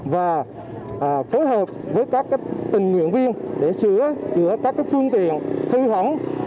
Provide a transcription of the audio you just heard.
và phối hợp với các tình nguyện viên để sửa chữa các phương tiện hư hỏng